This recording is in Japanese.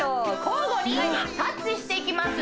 交互にタッチしていきます